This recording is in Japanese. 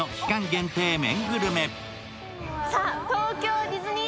限定麺グルメ。